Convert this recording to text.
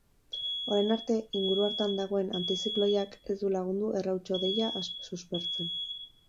Orain arte, inguru hartan dagoen antizikloiak ez du lagundu errauts hodeia suspertzen.